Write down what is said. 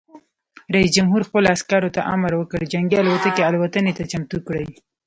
رئیس جمهور خپلو عسکرو ته امر وکړ؛ جنګي الوتکې الوتنې ته چمتو کړئ!